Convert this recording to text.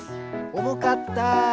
おもかった。